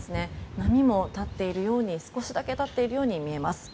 波も少しだけ立っているように見えます。